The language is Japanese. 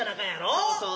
そうそう。